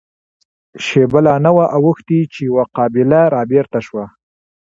شېبه لا نه وه اوښتې چې يوه قابله را بېرته شوه.